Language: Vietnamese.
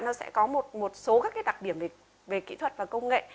nó sẽ có một số các cái đặc điểm về kỹ thuật và công nghệ